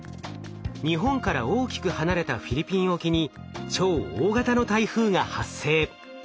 日本から大きく離れたフィリピン沖に超大型の台風が発生。